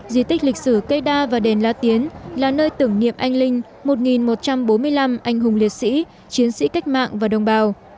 di tích lịch sử cây đa và đền la tiến là nơi tưởng niệm anh linh một một trăm bốn mươi năm anh hùng liệt sĩ chiến sĩ cách mạng và đồng bào